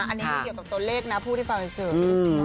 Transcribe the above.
อันนี้มันเกี่ยวกับตัวเลขนะผู้ที่ฟังให้สืบ